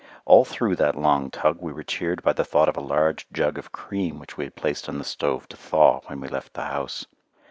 All through that long tug we were cheered by the thought of a large jug of cream which we had placed on the stove to thaw when we left the house.